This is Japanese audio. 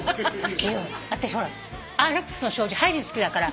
私ほら